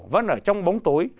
vẫn ở trong bóng tối